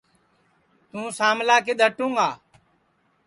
توں ساملا کِدؔ ہٹوں گا